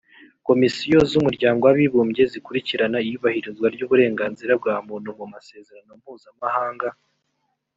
komisiyo z’umuryango w’abibumbye zikurikirana iyubahirizwa ry’uburenganzira bwa muntu mu masezerano mpuzamahanga